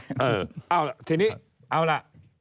เอาล่ะทีนี้เอาล่ะ